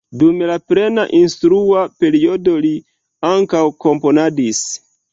Dum la plena instrua periodo li ankaŭ komponadis.